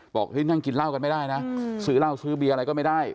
นั่งกินเหล้ากันไม่ได้นะซื้อเหล้าซื้อเบียร์อะไรก็ไม่ได้